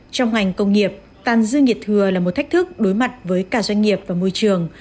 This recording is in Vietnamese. trong ngành công nghiệp tàn dư nhiệt thừa là một thách thức đối mặt với cả doanh nghiệp và môi trường